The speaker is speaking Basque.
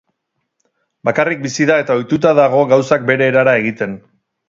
Bakarrik bizi da eta ohituta dago gauzak bere erara egiten.